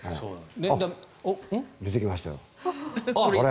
出てきましたよ。